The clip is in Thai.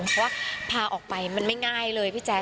เพราะว่าพาออกไปมันไม่ง่ายเลยพี่แจ๊